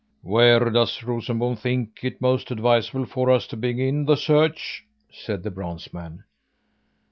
"Where does Rosenbom think it most advisable for us to begin the search?" said the bronze man.